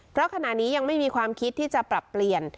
เพราะขณะนี้ยังไม่มีความคิดที่จะปรับเปลี่ยน